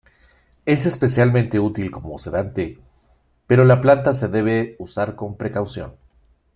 Es especialmente útil como sedante, pero la planta se debe usar con precaución.